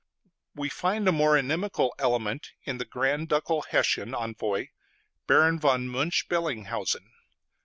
We find a more inimical element in the Grand Ducal Hessian envoy, Baron von Münch Bellinghausen.